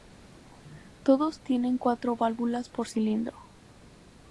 Todos tienen cuatro válvulas por cilindro.